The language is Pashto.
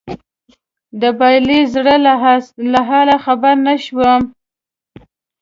د بايللي زړه له حاله خبر نه شوم